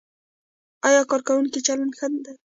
ایا کارکوونکو چلند ښه و؟